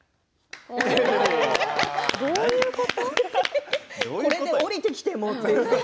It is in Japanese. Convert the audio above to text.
どういうこと？